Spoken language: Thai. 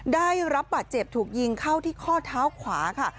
ได้รับบาดเจ็บถูกยิงเข้าที่ข้อเท้าขวาค่ะ